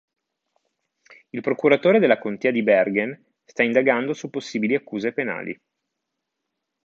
Il procuratore della contea di Bergen sta indagando su possibili accuse penali.